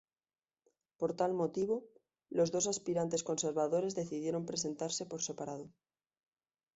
Por tal motivo, los dos aspirantes conservadores decidieron presentarse por separado.